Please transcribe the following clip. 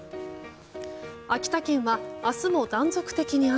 秋田県は明日も断続的に雨。